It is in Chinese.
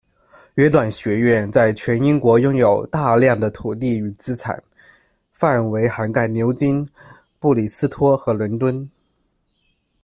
约旦学院在全英国拥有大量的土地与资产，范围涵盖牛津、布里斯托和伦敦。